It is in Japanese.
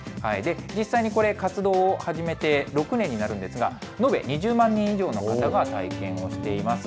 実際に活動を始めて６年になるんですが、延べ２０万人以上の方が体験をしています。